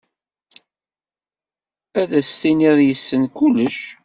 Ad as-tiniḍ yessen kullec.